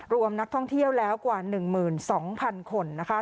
รวมนักท่องเที่ยวแล้วกว่า๑๒๐๐๐คนนะคะ